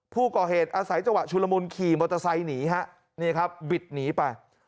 ผู้ก่อเหตุอาศัยจังหวะชุลมุนขี่มอเตอร์ไซค์หนีฮะนี่ครับบิดหนีไป